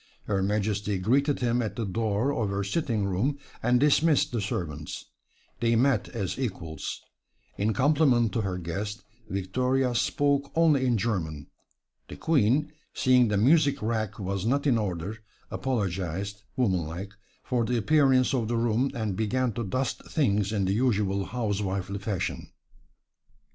Her Majesty greeted him at the door of her sitting room, and dismissed the servants. They met as equals. In compliment to her guest Victoria spoke only in German. The Queen, seeing the music rack was not in order, apologized, womanlike, for the appearance of the room and began to dust things in the usual housewifely fashion.